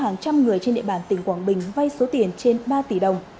hàng trăm người trên địa bàn tỉnh quảng bình vay số tiền trên ba tỷ đồng